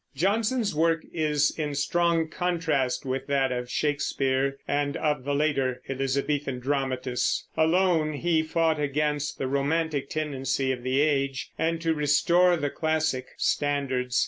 Jonson's work is in strong contrast with that of Shakespeare and of the later Elizabethan dramatists. Alone he fought against the romantic tendency of the age, and to restore the classic standards.